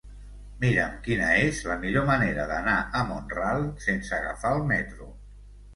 Mira'm quina és la millor manera d'anar a Mont-ral sense agafar el metro.